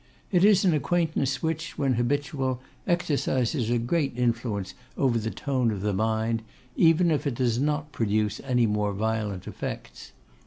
It is an acquaintance which, when habitual, exercises a great influence over the tone of the mind, even if it does not produce any more violent effects.